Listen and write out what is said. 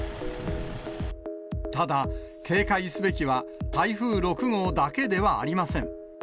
ただ警戒すべきは台風６号だけではありません。